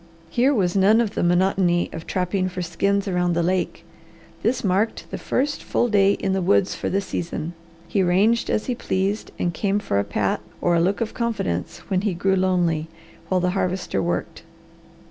Here was none of the monotony of trapping for skins around the lake. This marked the first full day in the woods for the season. He ranged as he pleased and came for a pat or a look of confidence when he grew lonely, while the Harvester worked.